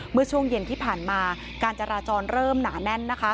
เมื่อช่วงเย็นที่ผ่านมาการจราจรเริ่มหนาแน่น